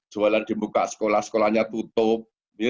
jualan dibuka sekolah sekolahnya tutup